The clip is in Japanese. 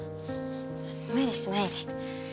無理しないで。